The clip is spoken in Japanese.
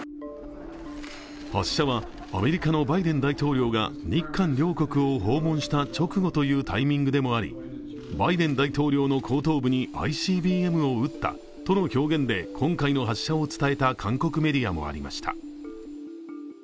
発射はアメリカのバイデン大統領が日韓両国を訪問した直後というタイミングでもあり、バイデン大統領の後頭部にＩＣＢＭを撃ったとの表現で今回の発射を伝えた韓国メディアもありました。